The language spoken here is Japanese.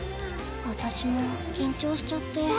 私も緊張しちゃって。